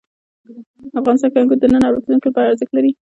افغانستان کې انګور د نن او راتلونکي لپاره ارزښت لري.